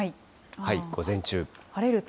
午前中。